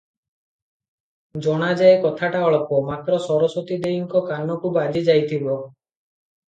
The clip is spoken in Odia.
ଜଣାଯାଏ କଥାଟା ଅଳ୍ପ; ମାତ୍ର ସରସ୍ଵତୀ ଦେଈଙ୍କ କାନକୁ ବାଜି ଯାଇଥିବ ।